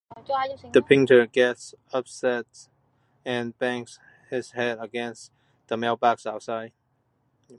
The painter gets upset and bangs his head against the mailbox outside.